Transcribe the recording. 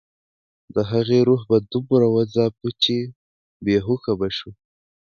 د هغې روح به دومره وځاپه چې بې هوښه به شوه